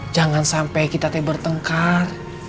jangan sampai kita teh bertengkar